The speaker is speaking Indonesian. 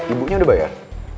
ibunya udah bayar